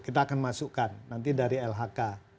kita akan masukkan nanti dari lhk